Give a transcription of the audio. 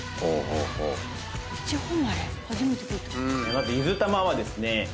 まずゆずたまはですね